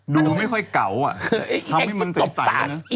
ดูไม่ค่อยเก๋าอ่ะทำให้มันติดใสแล้วเนี่ย